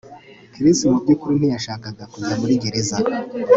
Chris mu byukuri ntiyashakaga kujya muri gereza